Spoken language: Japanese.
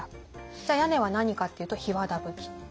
じゃあ屋根は何かっていうと檜皮葺き。